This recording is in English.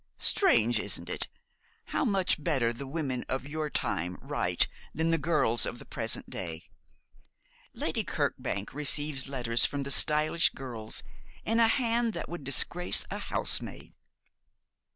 Strange isn't it? how much better the women of your time write than the girls of the present day! Lady Kirkbank receives letters from stylish girls in a hand that would disgrace a housemaid.'